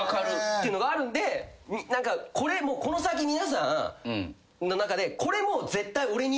ていうのがあるんでこの先皆さんの中で。